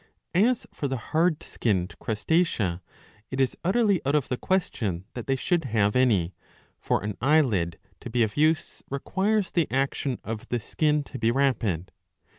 '^ As for the hard skinned Crus tacea it is utterly out of the question that they should have any ; for an eyelid, to be of use, requires the action of the skin to be rapid.